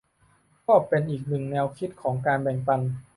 ก็เป็นอีกหนึ่งแนวคิดของการแบ่งปัน